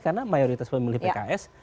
karena mayoritas pemilih pks